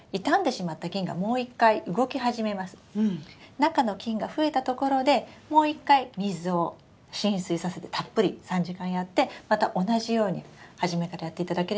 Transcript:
中の菌が増えたところでもう一回水を浸水させてたっぷり３時間やってまた同じように初めからやっていただければ出てくるかも。